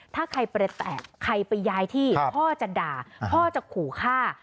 ถ้าใครเปรตแตกใครไปย้ายที่พ่อจะด่าพ่อจะขู่ฆ่า